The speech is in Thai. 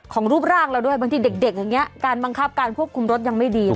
ของรูปร่างเราด้วยบางทีเด็กอย่างนี้การบังคับการควบคุมรถยังไม่ดีนะ